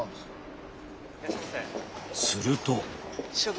すると。